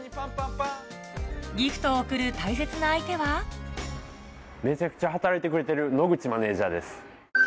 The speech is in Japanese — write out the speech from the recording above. ギフトを贈る大切な相手はめちゃくちゃ働いてくれてる野口マネジャーです。